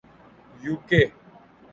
you کے